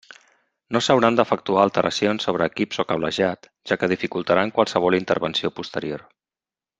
No s'hauran d'efectuar alteracions sobre equips o cablejat, ja que dificultaran qualsevol intervenció posterior.